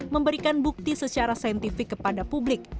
memberikan bukti secara saintifik kepada publik